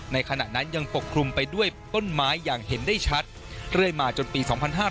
ขณะนั้นยังปกคลุมไปด้วยต้นไม้อย่างเห็นได้ชัดเรื่อยมาจนปี๒๕๕๙